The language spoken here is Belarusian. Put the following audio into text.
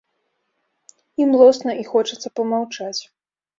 І млосна, і хочацца памаўчаць.